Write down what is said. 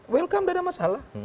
welcome tidak ada masalah